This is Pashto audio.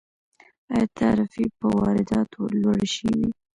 آیا تعرفې په وارداتو لوړې شوي؟